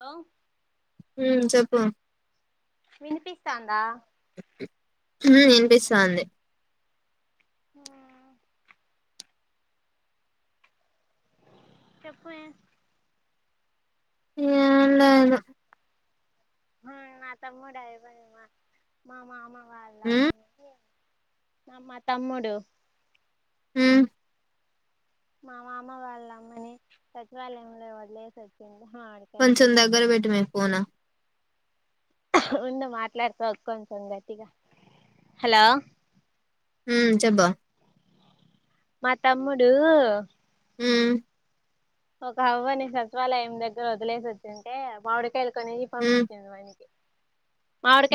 Hello హ చెప్ప వినిపిస్తాందా వినిపిస్తాంది ఆ చెప్పే ఏం లేదు ఆ నా తమ్ముడు అయిపోయిమా మా మామ వాళ్ళు హ్మ్ అందుకే ఆ మా తమ్ముడు ఉ మా మామ వాళ్ళ అమ్మని సచివాలయంలో వదిలేసి వచ్చింది కొంచెం దగ్గర పెట్టు మే ఫోను ఉండు మాట్లాడుతా కొంచెం గట్టిగా హలో ఉ చెబ్బు మా తమ్ముడూ ఉ ఒక అవ్వని సచివాలయం దగ్గర వదిలేసి వచ్చింటే మామిడికాయలు కొని హ్మ్ పంపించింది మని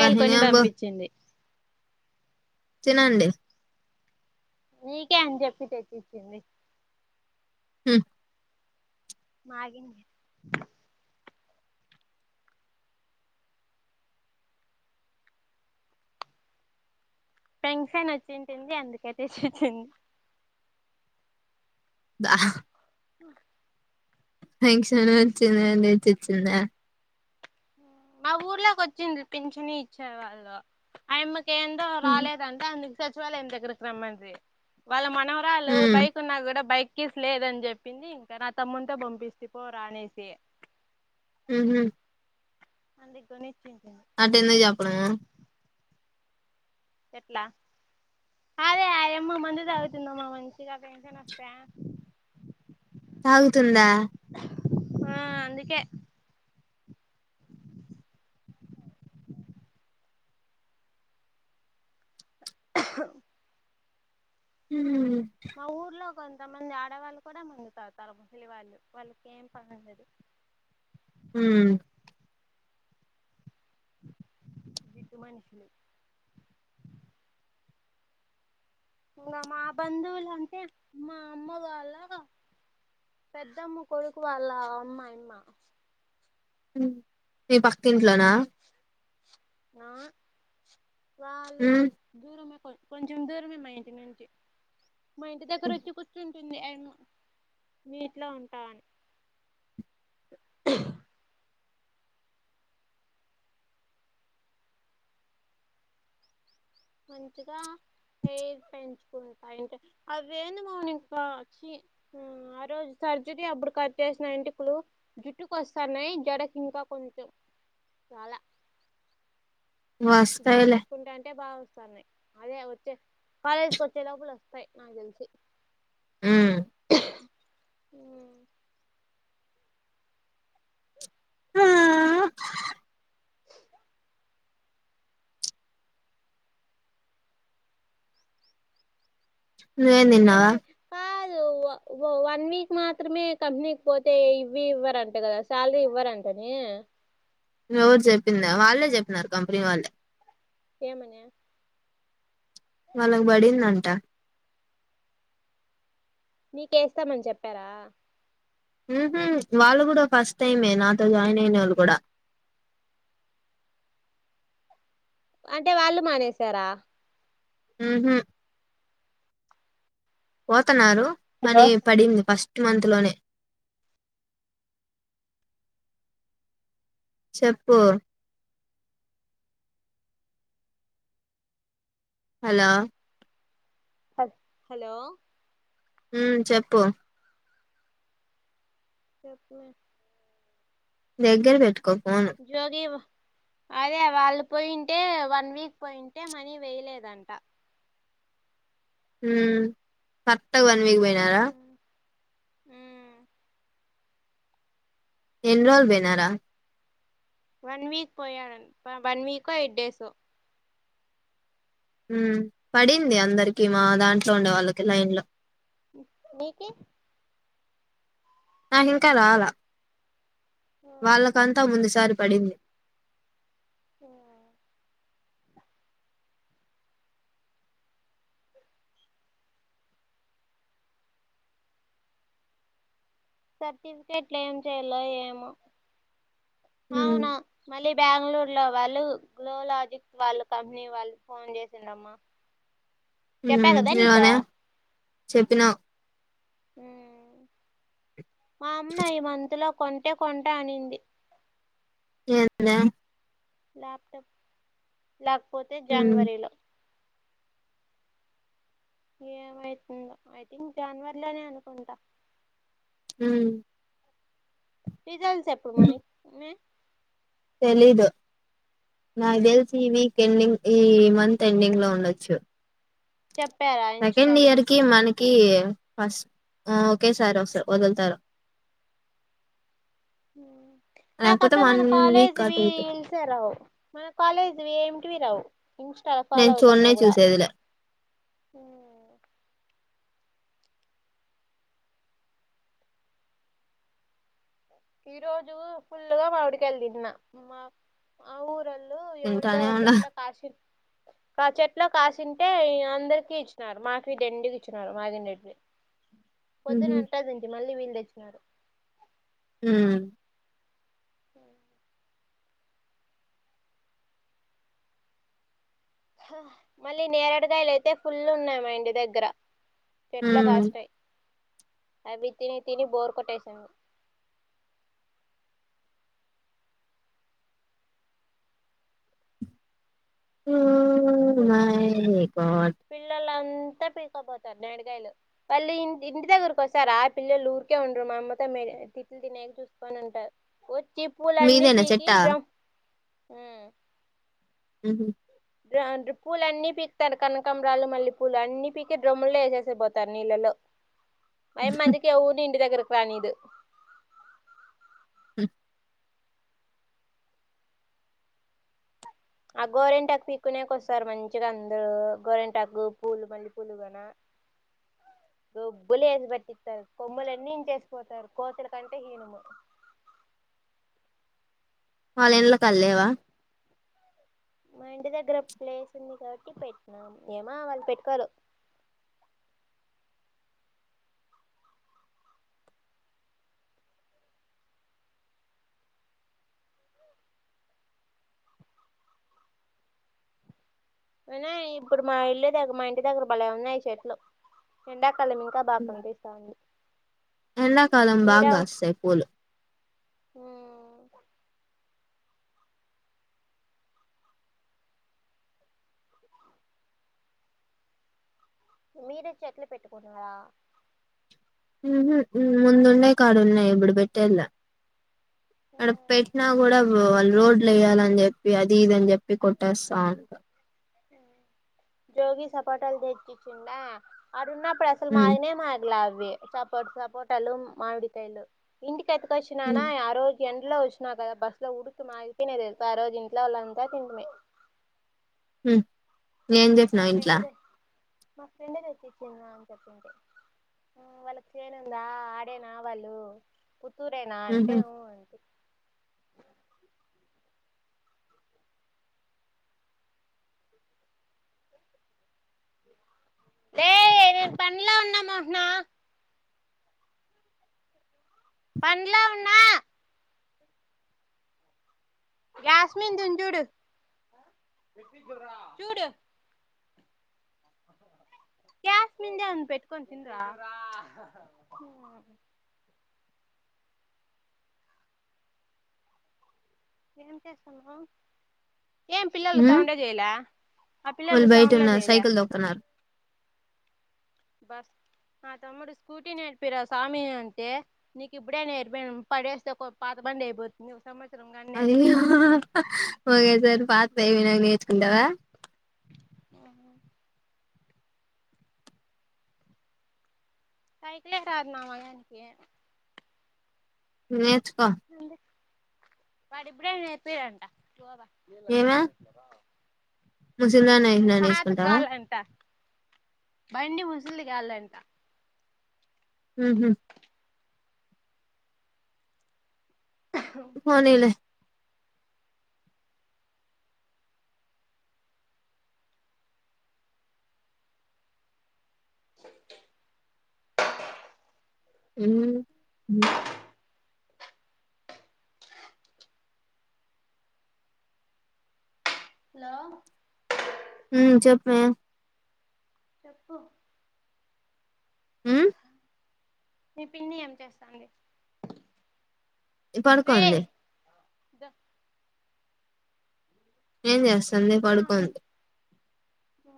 బా కొని ఇంగేంబు పంపించింది తినండి నీకే అని చెప్పి తెచ్చిచింది ఉ మాగినివి పెన్షన్ వచ్చింటుంది అందుకే తెచ్చిచ్చింది బా పెన్షన్ వచ్చిందని తెచ్చిచ్చిందా మా ఊర్లోకి వచ్చింది పింఛని ఇచ్చే వాళ్ళు అయమ్మ ఏందో రాలేదంట అందు సచివాలయం దగ్గరికి రమండ్రి వాళ్ళ మా నవరాలు హ్మ్ బైక్ ఉన్నా కూడా బైక్ కీస్ లేదని చెప్పింది ఇంకా నా తమ్మునితో పంపిస్తి పోరా అనేసి ఉహు అందుకు కొనిచ్చింది అట్ట ఎందుకు చెప్పడము ఎట్లా అదే ఆయమ్మ మందు తాగొచ్చింది మంచిగా పెన్షన్ వస్తే తాగుతుందా ఆ అందుకే ఉ మా ఊర్లో ఒక కొంతమంది ఆడవాళ్ళు కూడా మందు తాగుతారు వాళ్ళు వాళ్ళకేం పనుండదు ఉ ఇటువంటి ఇంకా మా బంధువులు అంటే మా అమ్మ వాళ్ళ పెద్దమ్మ కొడుకు వాళ్ళ అమ్మ ఆయమ్మ ఉ మీ బ ఇంట్లో నా ఆ వాళ్ళది హ్మ్ దూరుమకు కొంచం దూరమే మా ఇంటి నుంచి మా ఇంటి దగ్ర వచ్చి కూర్చ ంది అండ్ నీట్లో ఉంటా అని మంచిగా హెయిర్ పెంచుకుంటాయి అవెండుకో ఇంకా చి ఆ ఆ రోజు సర్జరీ అప్పుడు కట్ చేసిన వెంట్రుకులు జుట్టుకు వస్తున్నాయి జడకి ఇంకా కొంచెం చాలా జుట్టు వస్తాయిలే కట్టుకుంటా ఉంటే బాగుంటాది అదే వచ్చే కాలేజీకి వచ్చే లోపల వస్తాయి నాకు తెలిసి హ్మ్ హమ్ నువ్వేం తిన్నావా ఇంకేంటి కాదు వన్ వీక్ మాత్రమే కంపెనీకి పోతే ఇవవి ఇవ్వరంట కదా శాలరీ ఇవ్వరంట న ఎవరు చెప్పింద వాళ్ళే చెప్పినారు కంపెనీ వాళ్ళే ఏమని మనకు పడిందంట నీకేస్తామని చెప్పారా ఉహు వాళ్ళు కూడా ఫస్ట్ టై నా అతవ్ జాయి వాళ కూడా అంటే వాళ్ళు మానేసారా ఉహు వ వస్తున్నారు హలో కాని పడింది ఫస్ట్ సిక్స్త్ మంత్ లోనే చెప్పు హలో హలో మ్ చెప్పు చెప్పు దగ్గర పెట్టుకో ఫోను జాగివా అదే వాళ్ళు పోయింటే వన్ వీక్ పోయింటే మనీ వేయలేదంట. హ్మ్ ట్ వన్ వీక్ పోయిన కదా మ్ ఎన్నిరోజుల్ పోయినరా వన్ వీక్ పోయాడన్ వన్ వీకో ఎయిట్ డేసో హ్మ్ పడింది అందరికి మా దాంట్లో ఉండే వాళ్ళకి లైన్లో మీకీ? నాకింకా రాలా వాళ్ళకంతా ముందు సార్ పడింది. ఆ సర్టిఫికెట్లు ఏం చేయాలో ఏమో ఉమ్ అవునా మళ్ళి బెంగళూరులో వాళ్ళు గ్లో లాజిక్స్ వాళ్ళు కంపెనీ వాళ్ళు ఫోన్ చేసింరమ్మా. హ్మ్ [inaudible] చెప్పినవ్ హ్ మా అమ్మ ఈ మంత్లో కొంటే కొంట అనింది. [unintelligible] లాప్టాప్. లేకపోతే ఉమ్ జనవరిలో ఏమైతుందో ఐ థింక్ జనవర్లోనే అనుకుంటా. మ్ రిజల్ట్స్ ఎప్పుడు మౌని తెలీదు. నాక్ తెల్సి ఈ వీక్ ఎండింగ్ ఈ మంత్ ఎండింగ్ లో ఉండొచ్చు. చెప్పారా ఇన్స్టలో కీ ఫస్ట్ ఆ ఓకే సార్ వస్ వదులుతారు. ఉ లేకపోతే నాకసల్ వన్ మన వీక్ కాలేజ్వి అటు ఇటు రీల్స్యే రావు మన కాలేజ్ ఏంటివి రావు. ఇన్స్టాలో ఫాలో నేను అవుతాన్నా చూడనే గుడా చూసేదిలే ఈ రోజు ఫుల్గా మావిడికాయలు తిన్న. మా మా ఊర్ దో ఎవరిదో వింటానే ఉన్నా చెట్ల [inaudible] ఇట్లో కాసింటే అందరికి ఇచ్చినారు మాకువి దండిగిచ్చినారు మా [inaudible] పొద్దున హ్మ్ అంటదంటి మళ్ళీ వీళ్ళు తెచ్చినారు. హ హ మళ్ళీ నేరడుగాయలు అయితే ఫుల్ ఉన్నాయి మా ఇడి దగ్గర చెట్లు హ్మ్ కాష్టాయి అవి తిని తిని బోరు కొట్టేసాము మకడ్ పిల్లలంతా పీకపోతారు నేడిగాయలు పళ్ళ ఇ ఇంటి దగరకి వస్తారు ఆ పిల్లలు ఊరికే ఉండరు మా అమ్మతో తిట్లు తినక చూసుకొని ఉంటారు చిప్పులన్నీ మీదేనా పీకి చెట్టా డ్రమ్ హ అ పూలు అన్నీ పీకుతారు కనకంమరాలు మళ్ళీ పూలు అన్ని పీకి డ్రమ్ముల్లో వేసేసే పోతారు నీళ్ళలో పై మందికి ఊరు ఇంటి దగ్గరకు పనిదు ఉ ఆ గోరెంటాకు పీక్కునేకొస్తారు. మంచిగా అందరూ గోరెంటాకు పూలు మల్లెపూలు గాన గొబ్బులు వేసి పట్టిస్తారు. కొమ్మలన్నీ ఇంట్లేసిపోతారు కోతుల కంటే హీనము వాళ్ళు ఇళ్ళ కళ్లేవా మా ఇంటి దగ్గర ప్లేస్ ఉంది. కాబట్టి పెట్టినాం ఏమ వాళ్ళు పెట్టుకోరు ఐనా ఇప్పుడు మా ఇల్లు దగ్గ మా ఇంటి దగ్గర బలే ఉన్నాయి చెట్లు ఎండ తలమింకా బాగాంటపిస్తాంది ఎండాకాలం బాగా కాస్తాయి పూలు ఆ మీరే చెట్లు పెట్టుకున్నరా ముందుండే కడున్నాయి ఇప్పుడు పెట్టేలె అడా పెట్టినా కూడా వాళ్ళు రోడ్లు వేయ్యాలని చెప్పి అది ఇదని చెప్పి కొట్టేస్తాంటారు. జోగిి సపోటాలు తెచ్చిచ్చిండా అడున్నా ఇప్పుడుసలు ఉం మానే మాట్లా సపోట్ సపోట్ లు మామిడికాయలు ఇంటి ఉం ఎత్తుకొచ్చిననాయా ఆ రోజు ఎండ్లో వచ్చిన కదా బస్ లో ఉడికి మాగిపోయినా తెలుసా ఆ రోజు ఇంట్లో వాళ్ళు అంతా తిండమే మ్మ్ ఎం చెసినవ్ ఇంట్లా దే మా ఫ్రెండ్ తెచ్చచ్చిందా అని చెప్పింది. వాళ్ళ చేనుందా ఆడేనా వాళ్ళు పుత్తూరేనా అంటే ఉహు హూ అంట్టుంది. ఉహ్ రేయ్ నేను పన్లో ఉన్న మోహనా పన్లో ఉన్నా గ్యాస్మన్ దున్ చూడు చూడు గ్యాస్మజేన్ పెట్టుకోని తింట్ర ఏం చేస్తున్నావ్ ఏం పిల్లలు ఉం సౌండే చేయాలే వాళ్ళు బయటన్నారు, సైకిల్ తొక్కతున్నారు బస్ మా తమ్ముడు స్కూటీ నేర్పిరా స్వామి అంటే నీకు ఇప్పుడే నేర్పోను పడేస్తే పాత బండి అయిపోతుందివ్వు. అది ఓకే సారి పాతది అయిపోయినాక నేర్పి ఉండవా సైకిలే రాదు నామానికి నేర్చ్ ఆ వాడిపుడే ఎమ్ తేప్పియడంట నీలన్నీ తాగేస్తారా ముసిదాననేసుకుంటావా కాలంట బండి ముసిలిది కావాలంట మ్ హ పోనీలే [inaudible] మ్ మ హలో మ్ చెప్పవే చెప్పు మ్ మీ పిన్ని ఏం చేస్తోంది పడుకొంది ఇ ద ఏం చేస్తాంది పడుకోండి అ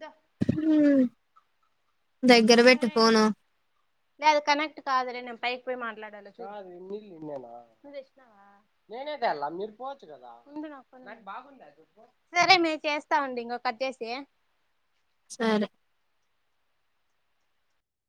ద ఉ సరడు లే అది కనెక్ట్ కాదులే న పై మాట్లాడచ్చ కదాాగు సరే మీ చేస్తాండి ఇంకక కచ్చసి సరే